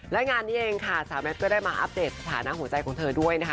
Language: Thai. และงานนี้เองค่ะสาวแมทก็ได้มาอัปเดตสถานะหัวใจของเธอด้วยนะคะ